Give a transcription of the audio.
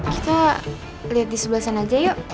kita lihat di sebelah sana aja yuk